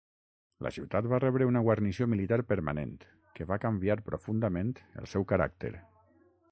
La ciutat va rebre una guarnició militar permanent, que va canviar profundament el seu caràcter.